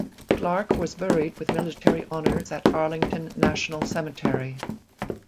Clark was buried with military honors at Arlington National Cemetery.